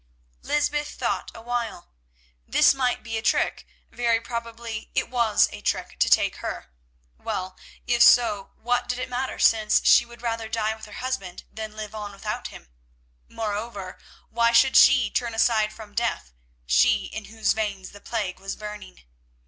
Lysbeth thought awhile. This might be a trick; very probably it was a trick to take her. Well, if so, what did it matter since she would rather die with her husband than live on without him; moreover, why should she turn aside from death, she in whose veins the plague was burning?